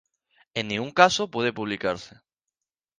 En ningún caso puede publicarse.